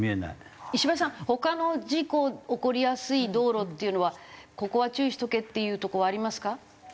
石橋さん他の事故起こりやすい道路っていうのはここは注意しとけっていうとこはありますか？